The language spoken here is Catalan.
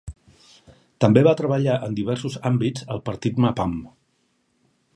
També va treballar en diversos àmbits al partit Mapam.